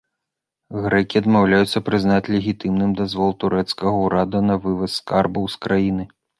Грэкі адмаўляюцца прызнаць легітымным дазвол турэцкага ўрада на вываз скарбаў з краіны.